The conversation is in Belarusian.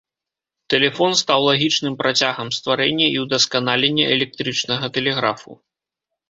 Тэлефон стаў лагічным працягам стварэння і ўдасканалення электрычнага тэлеграфу.